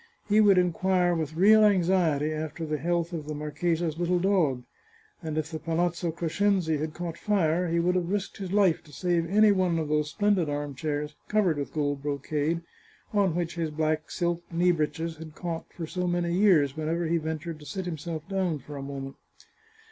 He would inquire with real anxiety after the health of the marchesa's little dog, and if the Palazzo Crescenzi had caught fire he would have risked his life to save any one of those splendid arm chairs covered with gold brocade, on which his black silk knee breeches had caught for so many years whenever he ventured to sit himself down for a mo ment.